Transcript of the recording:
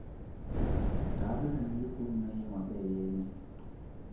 Mais ton tableau, Gagnière, où est-il donc?